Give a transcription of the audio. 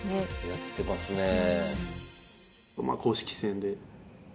やってますねえ。